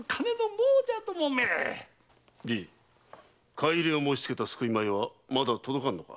買い入れを申しつけた“救い米”はまだ届かぬのか。